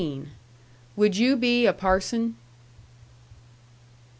"WOULD YOU BE A PARSON?"